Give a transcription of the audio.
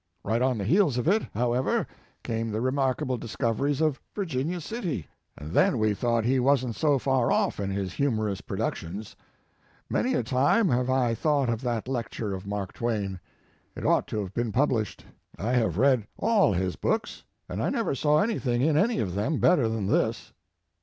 Right on the heels of it, however, came the remarkable discoveries of Virginia City, and then we thought he wasn t so far off in his humorous productions. Many a time have I thought of that lecture of Mark Twain. It ought to have been published. I have read all his books, and I never saw anything in any of them better than this."